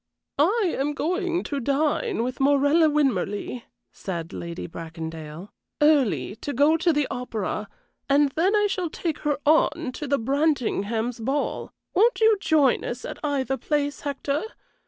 "I am going to dine with Morella Winmarleigh," said Lady Bracondale, "early, to go to the opera, and then I shall take her on to the Brantingham's ball. Won't you join us at either place, Hector?